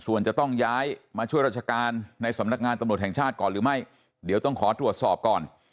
ส่วนจะต้องย้ายมาช่วยราชการในสำนักงานตำรวจแห่งชาติก่อนหรือไม่เดี๋ยวต้องขอตรวจสอบก่อน